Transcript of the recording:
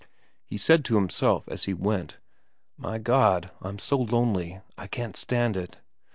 He said to himself as he went :' My God, I'm so lonely. I can't stand it.